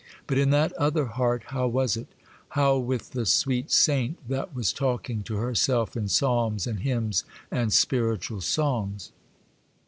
But in that other heart how was it?—how with the sweet saint that was talking to herself in psalms and hymns and spiritual songs?